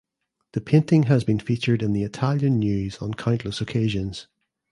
The painting has been featured in the Italian news on countless occasions.